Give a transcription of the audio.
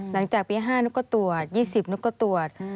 หลังจากปี๕หนูก็ตรวจ๒๐หนูก็ตรวจ